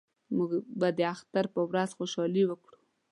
موږ به د اختر په ورځ خوشحالي وکړو